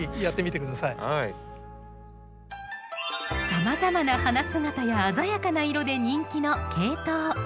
さまざまな花姿や鮮やかな色で人気のケイトウ。